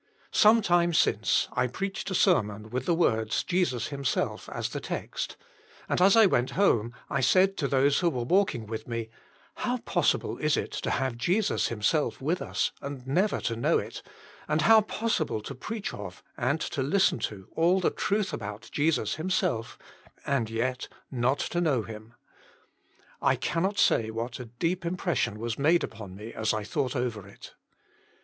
*^ Some time since, I preached a sermon with the words << Jesus Himself" as the text; and as I went home I said to those who were walking with me :How possible it is to have Jesus Himself with us and never to know it, and how possible to preach of, and to listeti to, all the truth about 8 Jesm Himself, Jesus Himself and yet not to know Him. " I cannot say what a deep im pression was made upon me as I thought « over it.